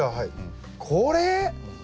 これ？